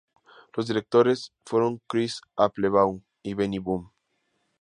Los directores fueron Chris Applebaum y Benny Boom.